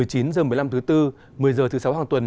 một mươi chín h một mươi năm thứ tư một mươi h thứ sáu hàng tuần